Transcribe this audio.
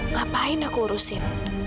ngapain aku urusin